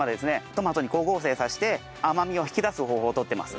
トマトに光合成させて甘みを引き出す方法を取ってます。